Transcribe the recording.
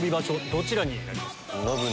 どちらになりますか？